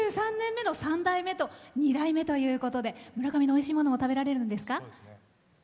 ３代目と２代目ということで村上のおいしいものが食べられるんですか？